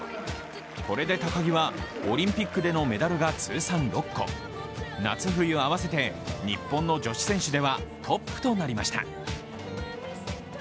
これで高木はオリンピックでのメダルが通算６個、夏冬合わせて日本の女子選手ではトップとなりました。